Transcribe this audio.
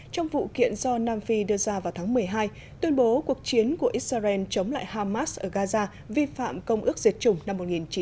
trong vụ kiện do nam phi đưa ra vào tháng một mươi hai tuyên bố cuộc chiến của israel chống lại hamas ở gaza vi phạm công ước diệt chủng năm một nghìn chín trăm bảy mươi hai